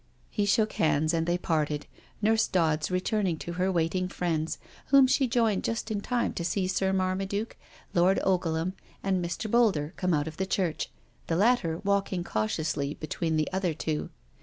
He shook hands and they parted, Nurse Dodds re turning to her waiting friends, whom she joined just in time to see Sir Marmaduke, Lord Ogleham, and Mr. Boulder come out of church, the latter walking cautiously between the other two.